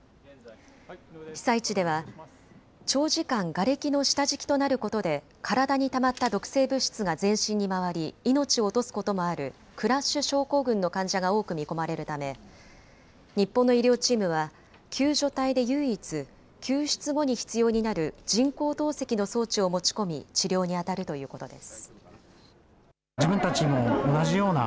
被災地では長時間、がれきの下敷きとなることで体にたまった毒性物質が全身に回り命を落とすこともあるクラッシュ症候群の患者が多く見込まれるため日本の医療チームは救助隊で唯一、救出後に必要になる人工透析の装置を持ち込み治療にあたるということです。